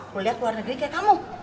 kuliat luar negeri kayak kamu